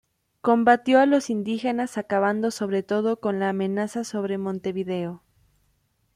Combatió a los indígenas, acabando sobre todo con la amenaza sobre Montevideo.